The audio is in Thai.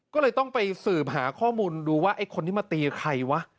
ก็เลยต้องไปสืบหาข้อมูลดูว่าไอ้คนที่มาตีใครวะ